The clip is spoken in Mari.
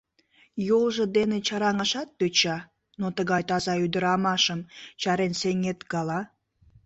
Йолжо дене чараҥашат тӧча, но тыгай таза ӱдырамашым чарен сеҥет гала?!